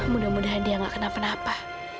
mudah mudahan dia gak kena penapa